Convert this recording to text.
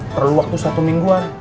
perlu waktu satu mingguan